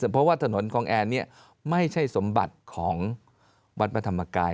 เพราะว่าถนนคลองแอนเนี่ยไม่ใช่สมบัติของวัดพระธรรมกาย